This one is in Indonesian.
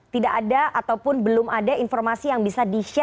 tidak ada ataupun belum ada informasi yang bisa di share